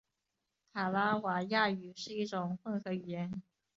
卡拉瓦亚语是一种混合语言。